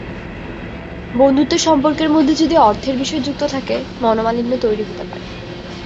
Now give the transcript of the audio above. বন্ধুত্বের সম্পর্কের মধ্যে যদি অর্থের বিষয় যুক্ত থাকে, মনোমালিন্য তৈরি হতে পারে।